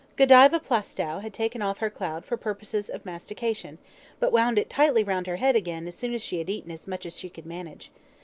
Godiva Plaistow had taken off her cloud for purposes of mastication, but wound it tightly round her head again as soon as she had eaten as much as she could manage.